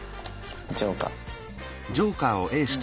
ジョーカー。